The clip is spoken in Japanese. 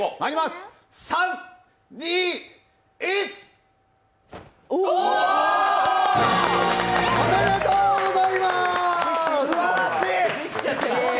すばらしい。